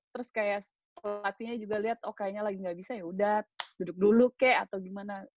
terus kayak pelatihnya juga lihat oh kayaknya lagi nggak bisa yaudah duduk dulu kek atau gimana